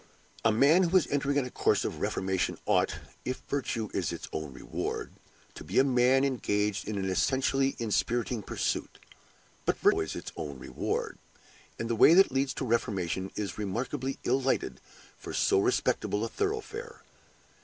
A man who is entering on a course of reformation ought, if virtue is its own reward, to be a man engaged in an essentially inspiriting pursuit. But virtue is not always its own reward; and the way that leads to reformation is remarkably ill lighted for so respectable a thoroughfare.